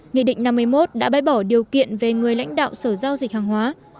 nghị định năm mươi một đã bãi bỏ điều kiện về người lãnh đạo sở giao dịch hàng hóa